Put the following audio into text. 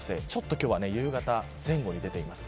今日は夕方前後に出ています。